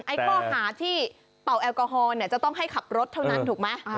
ข้อหาที่เป่าแอลกอฮอล์เนี่ยจะต้องให้ขับรถเท่านั้นถูกไหม